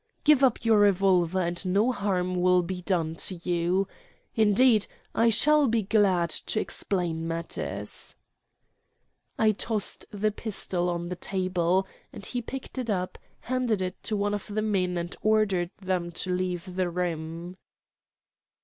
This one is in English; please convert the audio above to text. "Give up your revolver and no harm will be done to you. Indeed I shall be glad to explain matters." I tossed the pistol on to the table, and he picked it up, handed it to one of the men, and ordered them to leave the room.